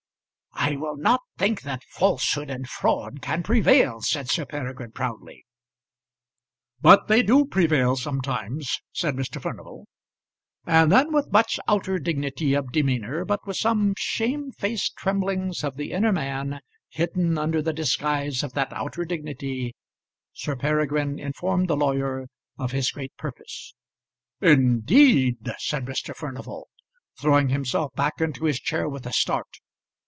"I will not think that falsehood and fraud can prevail," said Sir Peregrine proudly. "But they do prevail sometimes," said Mr. Furnival. And then with much outer dignity of demeanour, but with some shame faced tremblings of the inner man hidden under the guise of that outer dignity, Sir Peregrine informed the lawyer of his great purpose. "Indeed!" said Mr. Furnival, throwing himself back into his chair with a start.